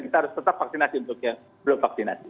kita harus tetap vaksinasi untuk yang belum vaksinasi